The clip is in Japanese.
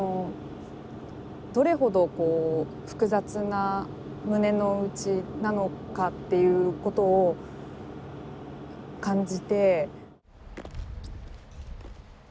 どれほど複雑な胸の内なのかということを感じて。